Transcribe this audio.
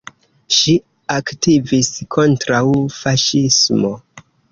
Ŝi aktivis kontraŭ faŝismo.